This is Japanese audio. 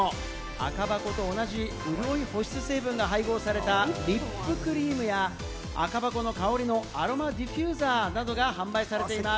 赤箱と同じ、潤い保湿成分が配合されたリップクリームや、赤箱の香りのアロマディフューザーなどが販売されています。